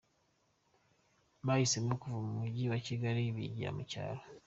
Bahisemo kuva mu Mujyi wa Kigali bigira mu cyaro